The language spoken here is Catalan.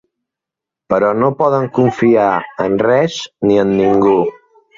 Però no poden confiar en res ni en ningú.